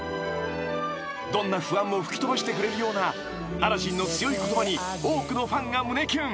［どんな不安も吹き飛ばしてくれるようなアラジンの強い言葉に多くのファンが胸キュン］